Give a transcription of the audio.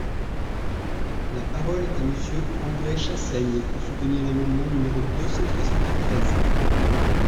La parole est à Monsieur André Chassaigne, pour soutenir l’amendement numéro deux cent soixante-treize.